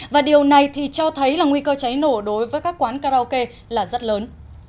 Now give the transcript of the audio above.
và điều này thì cho thấy là nguy cơ cháy nổ đối với các quán karaoke là rất lớn